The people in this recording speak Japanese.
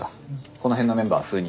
この辺のメンバー数人で。